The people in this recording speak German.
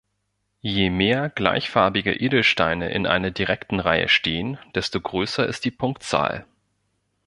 Je mehr gleichfarbige Edelsteine in einer direkten Reihe stehen, desto größer ist die Punktzahl.